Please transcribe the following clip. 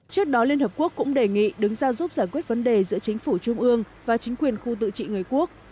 trước đó liên hợp quốc cũng đề nghị đứng ra giúp giải quyết vấn đề giữa chính phủ trung ương và chính quyền khu tự trị người quốc